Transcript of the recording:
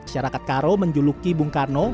syarakat karo menjuluki bung karno